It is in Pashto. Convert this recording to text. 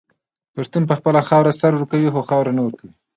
پښتون په خپله خاوره سر ورکوي خو خاوره نه ورکوي.